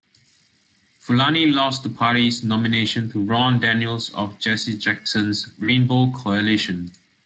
Fulani lost the party's nomination to Ron Daniels of Jesse Jackson's Rainbow Coalition.